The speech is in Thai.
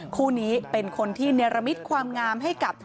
คู่นี้เป็นคนที่เนรมิตความงามให้กับ